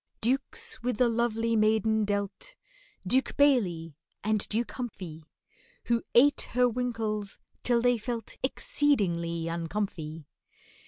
Dukes with the lovely maiden dealt, DUKE BAILEY and DUKE HUMPHY, Who ate her winkles till they felt Exceedingly uncomfy.